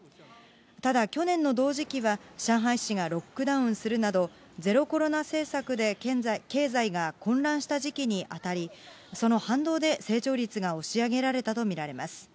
ただ、去年の同時期は上海市がロックダウンするなど、ゼロコロナ政策で経済が混乱した時期にあたり、その反動で成長率が押し上げられたと見られます。